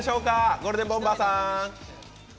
ゴールデンボンバーさん！